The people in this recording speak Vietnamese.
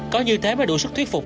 có như thế mới đủ sức thuyết phục